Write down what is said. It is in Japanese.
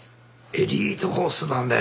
エリートコースだね。